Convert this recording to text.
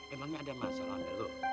emangnya ada masalah nek lo